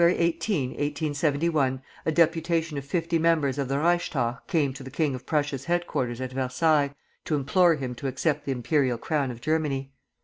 18, 1871, a deputation of fifty members of the Reichstag came to the king of Prussia's headquarters at Versailles to implore him to accept the imperial crown of Germany.